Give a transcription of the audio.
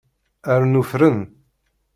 Rnu fren.